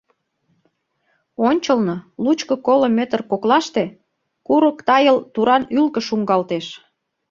Ончылно, лучко-коло метр коклаште, курык тайыл туран ӱлкӧ шуҥгалтеш.